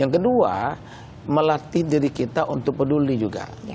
yang kedua melatih diri kita untuk peduli juga